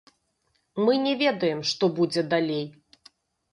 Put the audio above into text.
Мы не ведаем, што будзе далей.